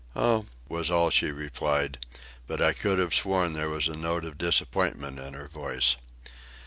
"Oh," was all she replied; but I could have sworn there was a note of disappointment in her voice.